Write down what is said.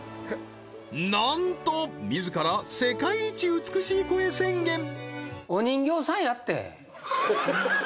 なんと自ら世界一美しい声宣言ははははっ